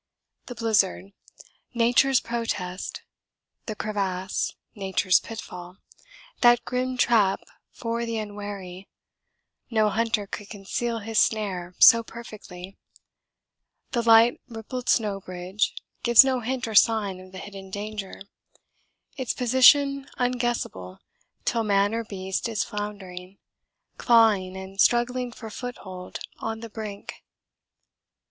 The blizzard, Nature's protest the crevasse, Nature's pitfall that grim trap for the unwary no hunter could conceal his snare so perfectly the light rippled snow bridge gives no hint or sign of the hidden danger, its position unguessable till man or beast is floundering, clawing and struggling for foothold on the brink.